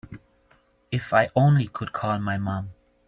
If I only could call my mom.